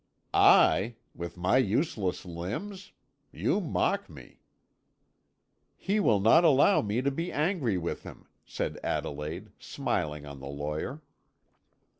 "I! with my useless limbs! You mock me!" "He will not allow me to be angry with him," said Adelaide, smiling on the lawyer.